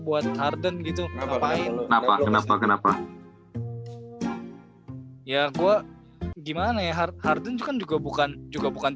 buat harden gitu ngapain kenapa kenapa ya gua gimana ya harden kan juga bukan juga bukan